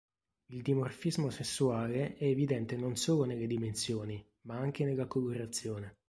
Il dimorfismo sessuale è evidente non solo nelle dimensioni, ma anche nella colorazione.